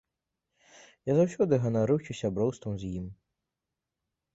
Я заўсёды ганарыўся сяброўствам з ім.